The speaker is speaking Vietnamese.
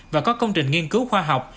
và có công trình nghiên cứu khoa học